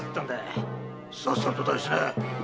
さっさと出しな。